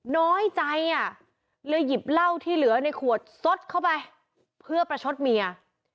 น้อยใจอ่ะเลยหยิบเหล้าที่เหลือในขวดซดเข้าไปเพื่อประชดเมีย